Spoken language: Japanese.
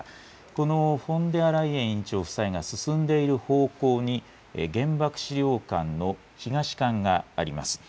このフォンデアライエン委員長夫妻が進んでいる方向に原爆資料館の東館があります。